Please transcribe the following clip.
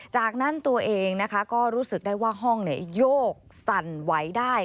จากนั้นตัวเองนะคะก็รู้สึกได้ว่าห้องโยกสั่นไหวได้